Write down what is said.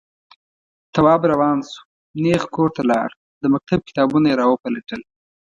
تواب روان شو، نېغ کور ته لاړ، د مکتب کتابونه يې راوپلټل.